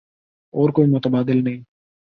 اور کوئی متبادل نہیں۔